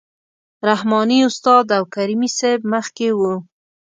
رحماني استاد او کریمي صیب مخکې وو.